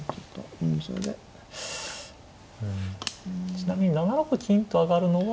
ちなみに７六金と上がるのは。